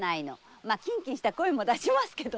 まあキンキンした声も出しますけどね。